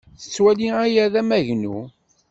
Tettwali aya d amagnu.